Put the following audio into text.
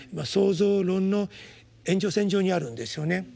創造論の延長線上にあるんですよね。